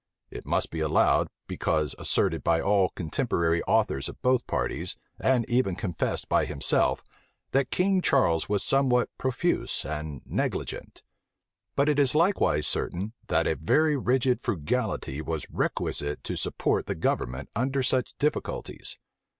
It must be allowed, because asserted by all contemporary authors of both parties, and even confessed by himself, that King Charles was somewhat profuse and negligent. But it is likewise certain, that a very rigid frugality was requisite to support the government under such difficulties.